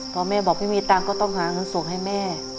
พอแม่บอกไม่มีตังค์ก็ต้องหาเงินส่งให้แม่